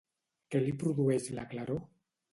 Què li produeix la claror?